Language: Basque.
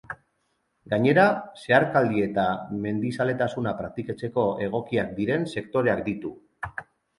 Gainera, zeharkaldi eta mendizaletasuna praktikatzeko egokiak diren sektoreak ditu.